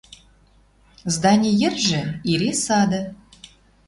Здани йӹржӹ ире сады